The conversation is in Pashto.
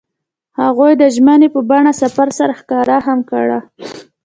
هغوی د ژمنې په بڼه سفر سره ښکاره هم کړه.